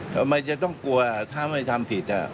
ทำไมจะต้องกลัวถ้าไม่ทำผิด